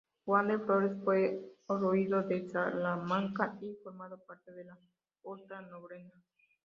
Juan de Flores fue oriundo de Salamanca y formó parte de la alta nobleza.